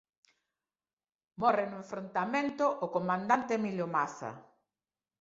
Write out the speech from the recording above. Morre no enfrontamento o Comandante Emilio Maza.